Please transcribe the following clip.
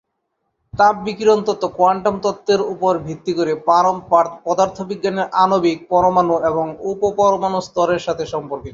তাপ বিকিরণ তত্ত্ব কোয়ান্টাম তত্ত্বের উপর ভিত্তি করে, পদার্থবিজ্ঞানের আণবিক, পরমাণু এবং উপ-পরমাণু স্তরের সাথে সম্পর্কিত।